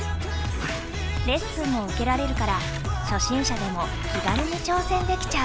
レッスンも受けられるから初心者でも気軽に挑戦できちゃう。